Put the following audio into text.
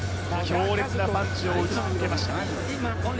強烈なパンチを打ち続けました。